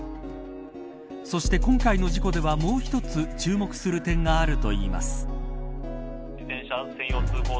そして今回の事故ではもう一つ注目する点があるといいます。